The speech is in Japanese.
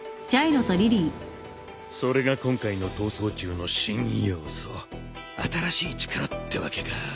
それが今回の逃走中の新要素新しい力ってわけか。